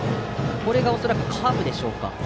これが恐らくカーブでしょうか。